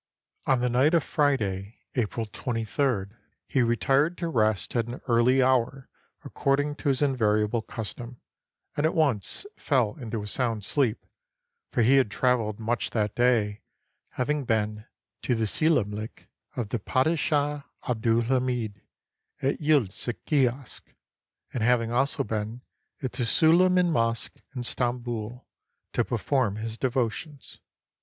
On the night of Friday, April 23, he retired to rest at an early hour according to his invariable custom, and at once fell into a sound sleep, for he had traveled much that day, having been to the selamlik of the Padishah Abd ul Hamid at Yildiz Kiosk, and having also been at the Suleiman Mosque in Stamboul to per form his devotions.